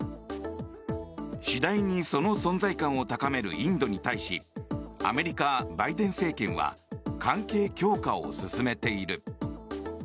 次第にその存在感を高めるインドに対しアメリカ、バイデン政権は関係強化を進めている。